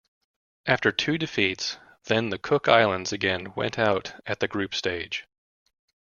After two defeats, then, the Cooks Islands again went out at the group stage.